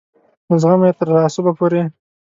له زغمه یې تر تعصبه پورې.